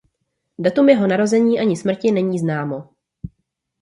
Datum jeho narození ani smrti není známo.